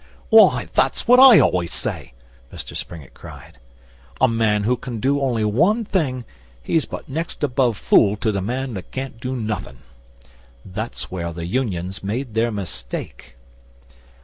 'Why, that's what I always say,' Mr Springett cried. 'A man who can only do one thing, he's but next above fool to the man that can't do nothin'. That's where the Unions make their mistake.